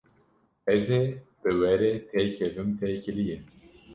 Ez ê bi we re têkevim têkiliyê.